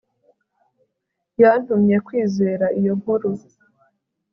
Yantumye kwizera iyo nkuru